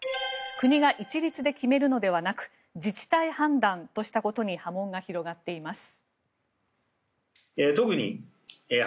国が一律で決めるのではなく自治体判断としたことに波紋が広がっています。